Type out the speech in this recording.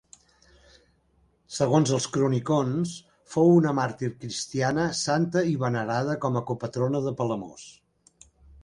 Segons els cronicons, fou una màrtir cristiana, santa i venerada com a copatrona de Palamós.